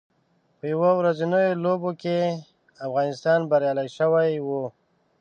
په یو ورځنیو لوبو کې افغانستان بریالی شوی و